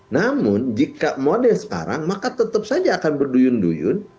namun jika model sekarang maka tetap saja akan berduyun duyun